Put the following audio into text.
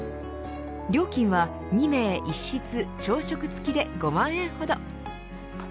料金は２名一室朝食付きで５万円ほど。